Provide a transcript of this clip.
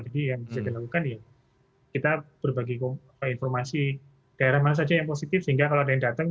jadi yang bisa dilakukan ya kita berbagi informasi daerah mana saja yang positif sehingga kalau ada yang datang